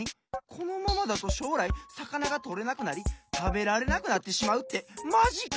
このままだとしょうらいさかながとれなくなりたべられなくなってしまうってマジか！